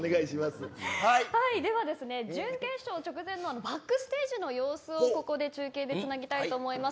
準決勝直前のバックステージの様子をここで中継でつなぎたいと思います。